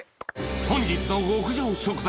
本日の極上食材